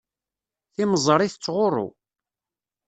Timeẓri tettɣurru.